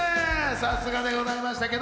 さすがでございました。